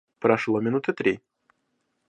Прошло минуты три.